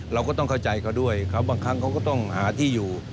เราก็ต้องเข้าใจเขาด้วยเขาบางครั้งเขาก็ต้องหาที่อยู่